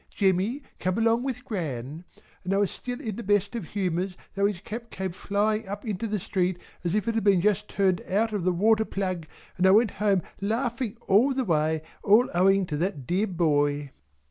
Jemmy come along with Gran." And I was still in the best of humours though his cap came flying up into the street as if it had been just turned on out of the water plug, and I went home laughing all the way, all owing to that dear boy.